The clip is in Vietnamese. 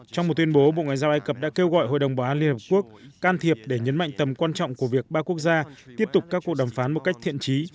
trong một tuyên bố bộ ngoại giao ai cập đã kêu gọi hội đồng bảo an liên hợp quốc can thiệp để nhấn mạnh tầm quan trọng của việc ba quốc gia tiếp tục các cuộc đàm phán một cách thiện trí